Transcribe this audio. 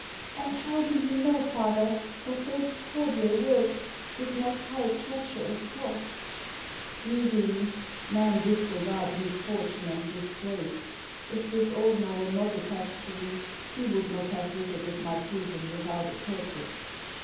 "And how do you know, father, that those cordial words did not hide treacherous thoughts ?"" Usually men disregard misfortune and disgrace. If this Ordener were not attached to me, he would not have visited my prison without a purpose."